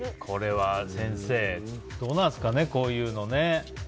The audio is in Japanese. これは先生、どうなんですかねこういうのね。